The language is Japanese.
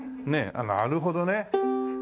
あっなるほどね。